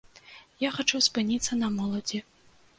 Я хачу спыніцца на моладзі.